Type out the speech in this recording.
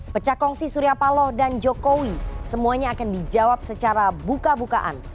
pecahkongsi surya palo dan jokowi semuanya akan dijawab secara buka bukaan